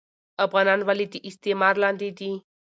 افغانان ولي د استعمار لاندي دي